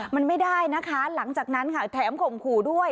มันไม่ได้นะคะหลังจากนั้นค่ะแถมข่มขู่ด้วย